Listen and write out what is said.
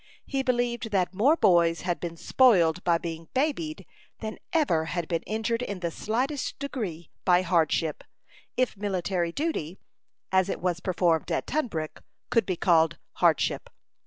He believed that more boys had been spoiled by being "babied" than ever had been injured in the slightest degree by hardship if military duty, as it was performed at Tunbrook, could be called hardship.